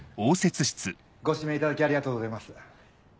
ご指名いただきありがとうございます。